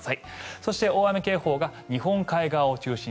そして大雨警報が日本海側を中心に。